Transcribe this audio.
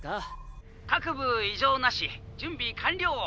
各部異常なし準備完了！